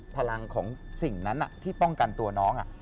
พลังของสิ่งนั้นที่ป้องกันตัวน้อง